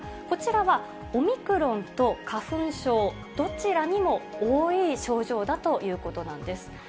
こちらはオミクロンと花粉症、どちらにも多い症状だということなんです。